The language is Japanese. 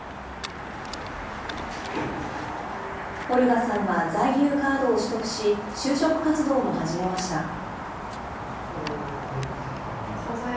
オルガさんは在留カードを取得し、就職活動も始めました。